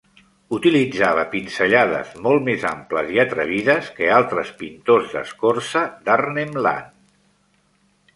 Utilitzava pinzellades molt més amples i atrevides que altres pintors d'escorça d'Arnhem Land.